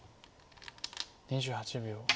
２８秒。